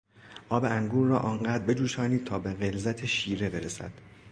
آب انگور را آنقدر بجوشانید تا به غلظت شیره برسد.